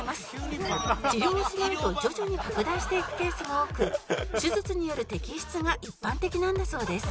治療をしないと徐々に拡大していくケースが多く手術による摘出が一般的なんだそうです